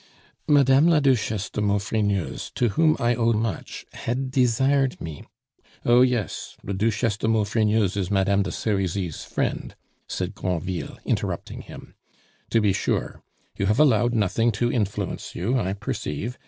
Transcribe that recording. "Madame la Duchesse de Maufrigneuse, to whom I owe much, had desired me..." "Oh yes, the Duchesse de Maufrigneuse is Madame de Serizy's friend," said Granville, interrupting him. "To be sure. You have allowed nothing to influence you, I perceive.